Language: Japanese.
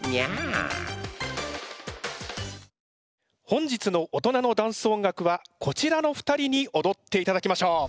本日の「おとなのダンス音楽」はこちらの２人におどっていただきましょう。